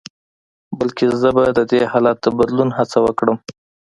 بلکې زه به د دې حالت د بدلون هڅه وکړم.